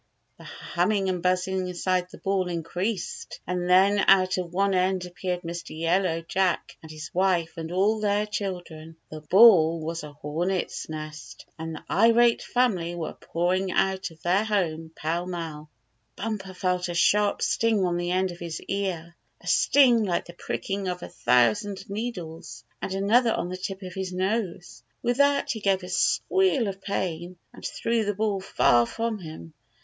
The hum ming and buzzing inside the ball increased, and then out of one end appeared Mr. Yellow Jacket and his wife and all their children. The ball was a hornet's nest, and the irate family were pour ing out of their home pell mell. Bumper felt a sharp sting on the end of his ear, a sting like the pricking of a thousand needles, and another on the tip of his nose. With that he gave a squeal of pain, and threw the ball far from him.